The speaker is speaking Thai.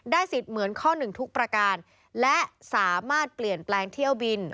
สิทธิ์เหมือนข้อหนึ่งทุกประการและสามารถเปลี่ยนแปลงเที่ยวบิน